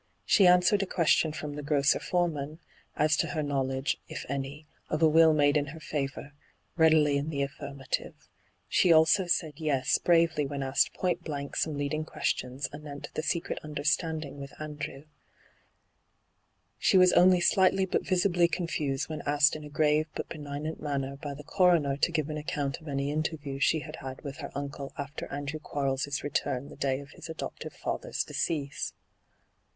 She answered a question from the grocer foreman, as to her knowledge, if any, of a will made in her favour, readily in the affirmative. She also said * Yes ' bravely when aak^ point blank some leading questions anent the secret understanding with Andrew, She was only slightly but visibly confused when asked in a grave but benignant manner by the coroner to give an account of any interview she had had with her uncle after Andrew Quarles' return the day of his adoptive father's decease.